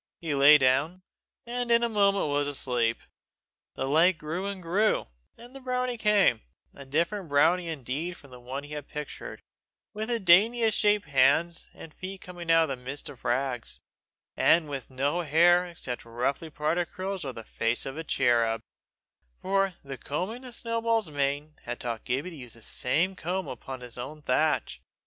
He lay down, and in a moment was asleep. The light grew and grew, and the brownie came a different brownie indeed from the one he had pictured with the daintiest shaped hands and feet coming out of the midst of rags, and with no hair except roughly parted curls over the face of a cherub for the combing of Snowball's mane and tail had taught Gibbie to use the same comb upon his own thatch.